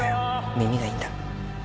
耳がいいんだ。